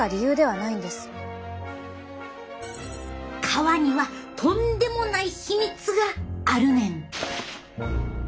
皮にはとんでもない秘密があるねん。